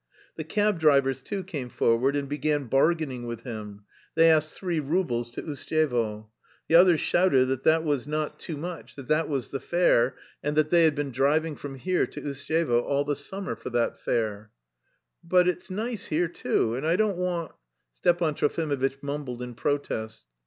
The cab drivers, too, came forward and began bargaining with him; they asked three roubles to Ustyevo. The others shouted that that was not too much, that that was the fare, and that they had been driving from here to Ustyevo all the summer for that fare. "But... it's nice here too.... And I don't want..." Stepan Trofimovitch mumbled in protest.